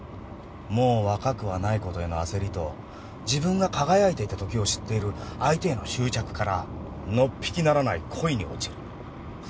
もう若くはないことへの焦りと自分が輝いていた時を知っている相手への執着からのっぴきならない恋に落ちる。